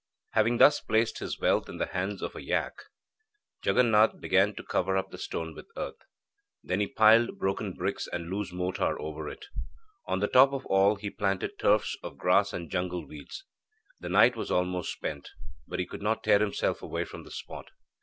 Having thus placed his wealth in the hands of a yak, Jaganath began to cover up the stone with earth. Then he piled broken bricks and loose mortar over it. On the top of all he planted turfs of grass and jungle weeds. The night was almost spent, but he could not tear himself away from the spot.